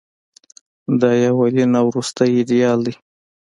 دای یې اولین او وروستۍ ایډیال دی.